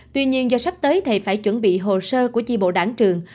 tuy nhiên do sắp tới thầy phải chuẩn bị hồ sơ của chi bộ đảng trường